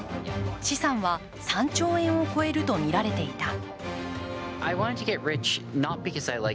資産は３兆円を超えるとみられていた。